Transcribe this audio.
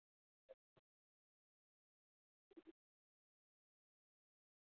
za Chifu wa sasa hufanywa na Naibu Chifu Mzee Kitiga kuliko Gungulugwa kwa mujibu